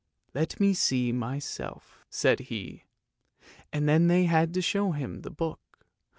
" Let me see myself," said he, and then they had to show him the book.